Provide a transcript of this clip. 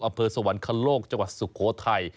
อำเภอสวรรคโลกจังหวัดสุโขทัย